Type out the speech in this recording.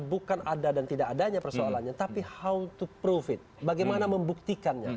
bukan ada dan tidak adanya persoalannya tapi bagaimana membuktikannya